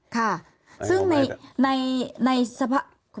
ค่ะคุณแม่ขออนุญาตนะคะ